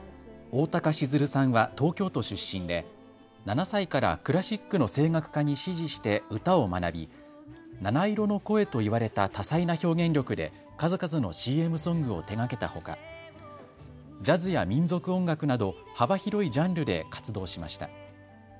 おおたか静流さんは東京都出身で７歳からクラシックの声楽家に師事して歌を学び、七色の声と言われた多彩な表現力で数々のＣＭソングを手がけたほか、ジャズや民族音楽など幅広いジャンルで活動しました。